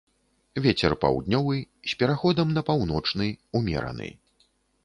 Вецер паўднёвы з пераходам на паўночны, умераны.